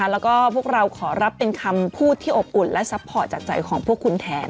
แล้วก็พวกเราขอรับเป็นคำพูดที่อบอุ่นและซัพพอร์ตจากใจของพวกคุณแทน